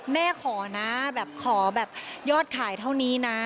แม่ขอนะขอยอดขายเท่านี้นะ